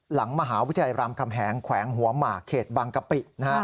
หลังมหาวิทยาลัยรามคำแหงแขวงหัวหมากเขตบางกะปิ